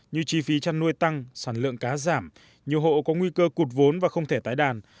như chi phí chăn nuôi tăng sản lượng cá giảm nhiều hộ có nguy cơ cụt vốn và không thể tái đàn